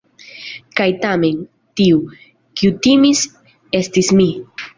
Kaj tamen, tiu, kiu timis, estis mi.